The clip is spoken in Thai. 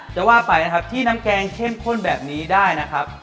จะว่าไปนะครับที่น้ำแกงเข้มข้นแบบนี้ได้นะครับ